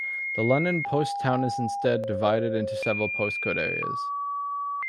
The London post town is instead divided into several postcode areas.